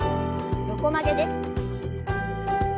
横曲げです。